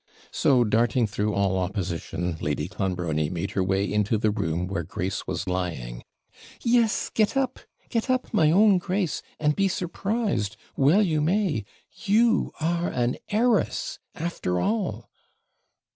So, darting through all opposition, Lady Clonbrony made her way into the room where Grace was lying 'Yes, get up! get up! my own Grace, and be surprised well you may! you are an heiress, after all.'